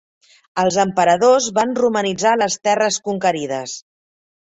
Els emperadors van romanitzar les terres conquerides.